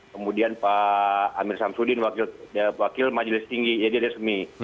kemudian pak amir samsudin wakil majelis tinggi jadi resmi